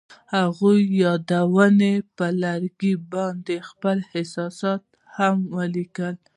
هغوی د یادونه پر لرګي باندې خپل احساسات هم لیکل.